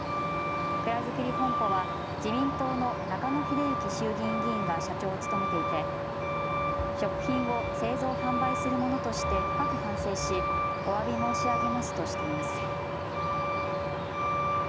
くらづくり本舗は自民党の中野英幸衆議院議員が社長を務めていて食品を製造・販売する者として深く反省しおわび申し上げますとしています。